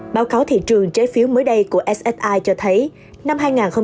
báo cáo thị trường trái phiếu mới đây của s i cho thấy năm hai nghìn hai mươi một